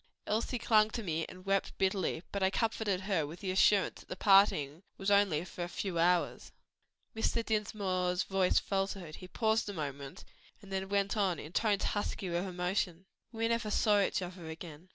Elsie clung to me and wept bitterly; but I comforted her with the assurance that the parting was only for a few hours." Mr. Dinsmore's voice faltered. He paused a moment, then went on in tones husky with emotion. "We never saw each other again.